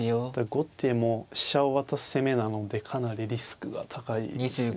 後手も飛車を渡す攻めなのでかなりリスクが高いですね。